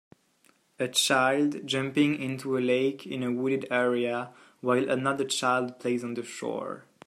A child jumping into a lake in a wooded area while another child plays on the shore.